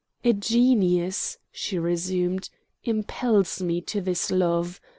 "A genius," she resumed, "impels me to this love.